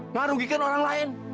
ngarugikan orang lain